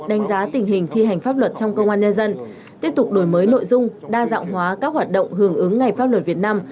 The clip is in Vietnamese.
đánh giá tình hình thi hành pháp luật trong công an nhân dân tiếp tục đổi mới nội dung đa dạng hóa các hoạt động hưởng ứng ngày pháp luật việt nam